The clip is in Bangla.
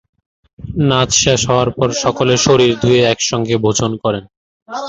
নাচ শেষ হওয়ার পর সকলে শরীর ধুয়ে একসঙ্গে ভোজন করেন।